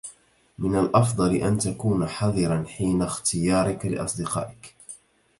من الأفضل أن تكون حذرا حين اختيارك لأصدقائك.